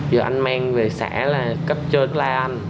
giờ anh mang về xã là cấp chơi với la anh